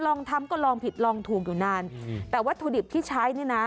ลองทำก็ลองผิดลองถูกอยู่นานแต่วัตถุดิบที่ใช้เนี่ยนะ